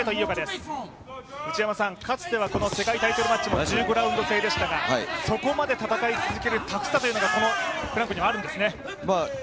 かつては世界タイトルマッチも１５回制でしたがそこまで戦い続けるタフさというのがフランコにはあるんですね。